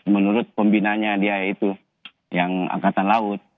menurut pembinanya dia itu yang angkatan laut